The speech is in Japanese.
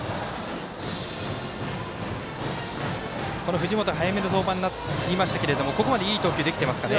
藤本早めの登板になりましたがここまで、いい投球できていますかね。